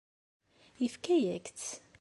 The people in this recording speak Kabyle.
Yefka-yak-tt.